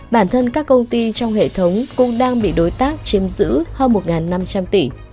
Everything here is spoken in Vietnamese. bản thân các công ty trong hệ thống cũng đang bị đối tác chiếm giữ hơn một năm trăm linh tỷ